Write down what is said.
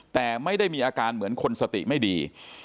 แต่ไม่ได้มีอาการเหมือนคนสติไม่ดี